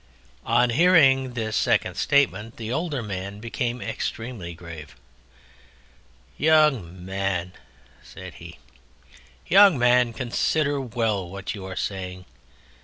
On hearing this second statement the Older Man became extremely grave. "Young Man," said he, "Young Man, consider well what you are saying!